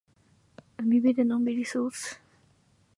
海辺でのんびり過ごす。